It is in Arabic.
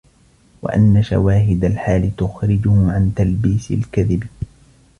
وَأَنَّ شَوَاهِدَ الْحَالِ تُخْرِجُهُ عَنْ تَلْبِيسِ الْكَذِبِ